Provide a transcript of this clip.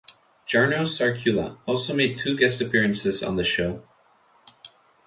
Jarno Sarkula also made two guest appearances on the show.